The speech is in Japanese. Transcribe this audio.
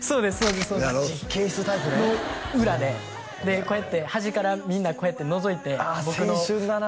実験室タイプねの裏でこうやって端からみんなこうやってのぞいてあっ青春だな